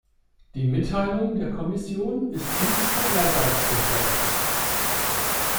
Die Mitteilung der Kommission ist nicht von Ehrgeiz geprägt.